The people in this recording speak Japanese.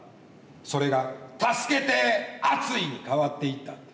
それが「助けて熱い！」に変わっていったって。